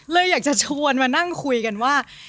อยากจะชวนมานั่งคุยกันว่า